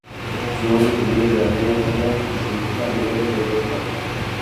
Su nombre proviene de la lengua náhuatl y significa "Lugar donde brota el Agua".